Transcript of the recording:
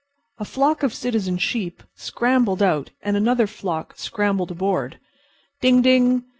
A flock of citizen sheep scrambled out and another flock scrambled aboard. Ding ding!